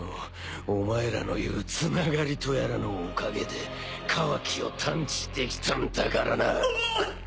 お前らの言うつながりとやらのおかげでカワキを探知できたんだからな。